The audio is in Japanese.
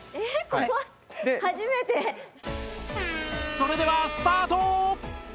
それではスタート！